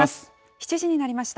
７時になりました。